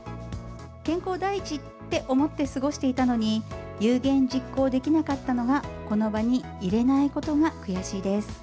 健康第一って思って過ごしていたのに、有言実行できなかったのが、この場にいれないことが悔しいです。